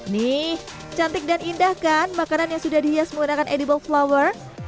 nih cantik dan indah kan makanan yang sudah dihias menggunakan edible flower